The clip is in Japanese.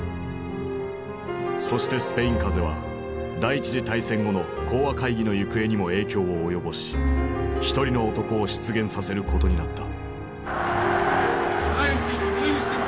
そしてスペイン風邪は第一次大戦後の講和会議の行方にも影響を及ぼし一人の男を出現させることになった。